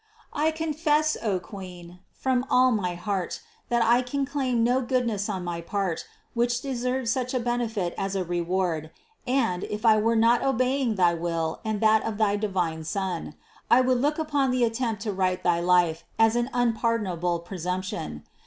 I confess, O Queen, from all my heart, that I can claim no goodness on my part, which deserves such a benefit as a reward and, if I were not obeying thy will and that of thy divine Son, I would look upon the attempt to write thy life as an unpardon able presumption.